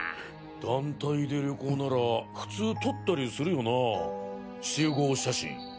団体で旅行なら普通撮ったりするよなぁ集合写真。